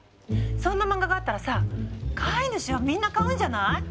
そんな漫画があったらさ飼い主はみんな買うんじゃない？